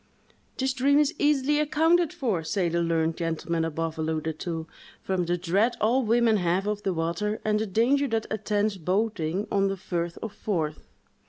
"This dream is easily accounted for," say the learned gentlemen above alluded to, "from the dread all women have of the water, and the danger that attends boating on the firth of Forth!"